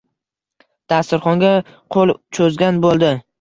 Dasturxonga qo‘l cho‘zgan bo‘ldi.